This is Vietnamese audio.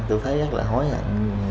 tôi thấy rất là hối hận